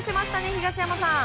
東山さん。